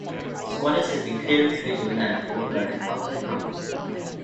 Squatters had been clearing trees on land owned by an outside company.